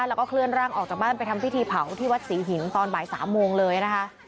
แล้วก็เคลื่อนร่างออกจากบ้านไปทำพิธีเผาที่วัดศรีหินตอนบ่าย๓โมงเลยนะคะ